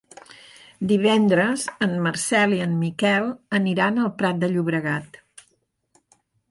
Divendres en Marcel i en Miquel aniran al Prat de Llobregat.